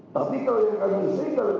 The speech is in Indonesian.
tapi kalau yang kami berikan